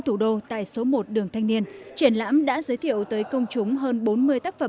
thủ đô tại số một đường thanh niên triển lãm đã giới thiệu tới công chúng hơn bốn mươi tác phẩm